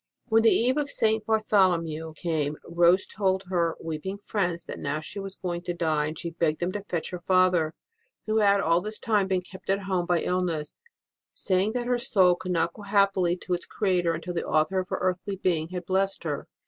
When the eve of St. Bartholomew came, Rose told her weeping friends that now she was going to die ; and she begged them to fetch her father, who had all this while been kept at home by illness, saying that her soul could not go happily to its Creator until the author of her earthly being had blessed her.